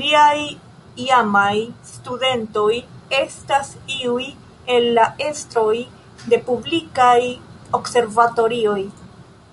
Liaj iamaj studentoj estas iuj el la estroj de publikaj observatorioj.